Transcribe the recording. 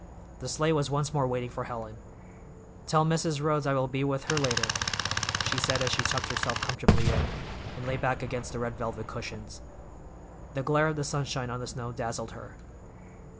The sleigh was once more waiting for Helen. "Tell Mrs. Rhodes I will be with her later," she said as she tucked herself comfortably in, and lay back against the red velvet cushions. The glare of the sunshine on the snow dazzled her.